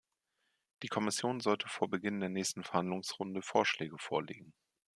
Die Kommission sollte vor Beginn der nächsten Verhandlungsrunde Vorschläge vorlegen.